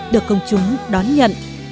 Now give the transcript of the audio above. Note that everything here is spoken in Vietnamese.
được công chúng đón nhận